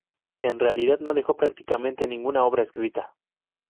En realidad no dejó prácticamente ninguna obra escrita.